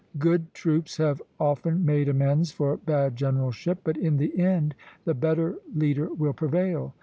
Good troops have often made amends for bad generalship; but in the end the better leader will prevail.